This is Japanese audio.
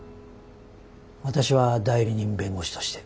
私は代理人弁護士として。